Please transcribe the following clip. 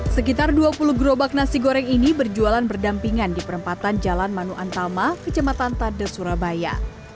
sekitar dua puluh gerobak nasi goreng ini berjualan berdampingan di perempatan jalan manu antama kecamatan tade surabaya